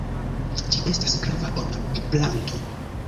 Ĝi estas grava ornamplanto.